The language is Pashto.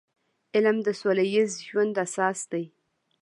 علم د سوله ییز ژوند اساس دی.